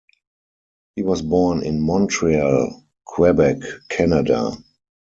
He was born in Montreal, Quebec, Canada.